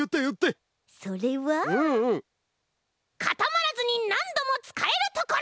かたまらずになんどもつかえるところ！